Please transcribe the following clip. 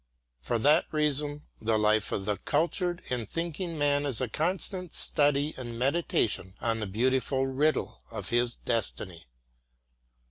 For that reason the life of the cultured and thinking man is a constant study and meditation on the beautiful riddle of his destiny.